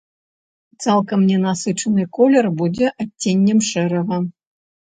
Цалкам ненасычаны колер будзе адценнем шэрага.